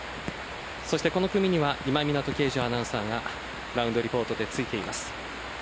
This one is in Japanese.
そしてこの組には今湊敬樹アナウンサーがラウンドリポートでついています。